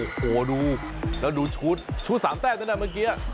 โอ้โหดูแล้วดูชุดชุดสามแตกนะเมื่อกี้